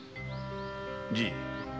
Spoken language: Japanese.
じい。